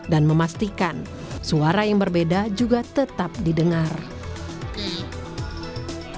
dan memastikan suara yang berbeda juga tetap diperhatikan